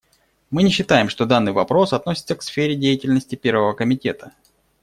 Мы не считаем, что данный вопрос относится к сфере деятельности Первого комитета.